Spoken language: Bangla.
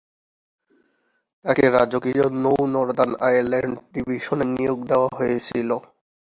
তাকে রাজকীয় নৌ নর্দান আয়ারল্যান্ড ডিভিশনে নিয়োগ দেওয়া হয়েছিল।